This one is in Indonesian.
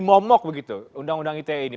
momok begitu undang undang ite ini